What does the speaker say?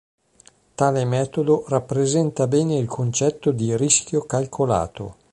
Tale metodo rappresenta bene il concetto di "rischio calcolato".